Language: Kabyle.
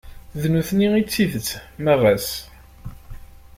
D nutni i d tidett ma ɣas.